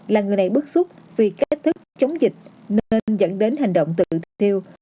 là người này bức xúc vì kết thúc chống dịch nên dẫn đến hành động tự thiêu